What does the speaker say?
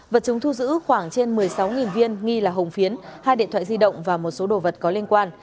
vật chứng thu giữ khoảng trên một mươi sáu viên nghi là hồng phiến hai điện thoại di động và một số đồ vật có liên quan